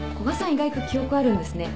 意外と記憶あるんですね。